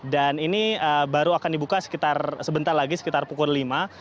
dan ini baru akan dibuka sebentar lagi sekitar pukul lima